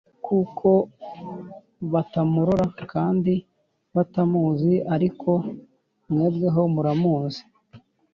kuko batamurora kandi batamuzi; ariko mwebweho muramuzi,